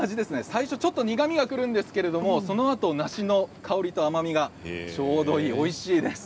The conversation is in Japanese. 最初ちょっと苦みがくるんですけどもそのあと梨の香りと甘みがちょうどいいおいしいです。